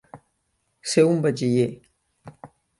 Ser un batxiller.